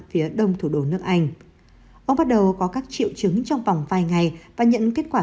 phía đông thủ đô nước anh ông bắt đầu có các triệu chứng trong vòng vài ngày và nhận kết quả